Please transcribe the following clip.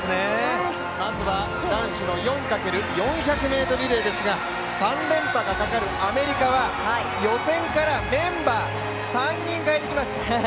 まずは男子の４×４００ｍリレーですが、３連覇がかかるアメリカは予選からメンバー３人かえてきました。